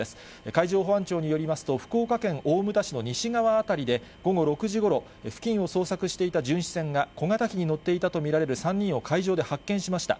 海上保安庁によりますと、福岡県大牟田市の西側辺りで、午後６時ごろ、付近を捜索していた巡視船が小型機に乗っていたと見られる３人を海上で発見しました。